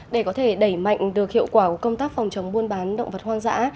để có thể đẩy mạnh được hiệu quả công tác phòng chống buôn bán động vật hoang dã